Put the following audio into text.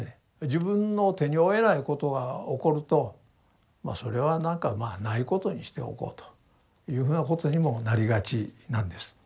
自分の手に負えないことが起こるとまあそれはなんかないことにしておこうというふうなことにもなりがちなんです。